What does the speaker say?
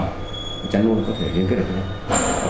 người cha nuôi có thể liên kết được với nhau